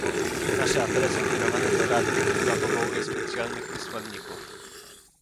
Nasze apele są kierowane do Rady, która powołuje specjalnych wysłanników